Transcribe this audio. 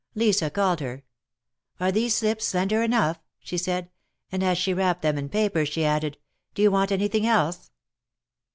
Lisa called her; ^^Are these slips slender enough?" she said. And as she wrapped them in paper, she added ; Do you want anything else